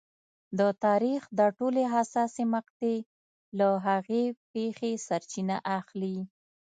د تاریخ دا ټولې حساسې مقطعې له هغې پېښې سرچینه اخلي.